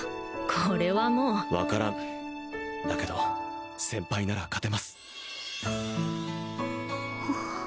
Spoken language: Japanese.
これはもう分からんだけど先輩なら勝てます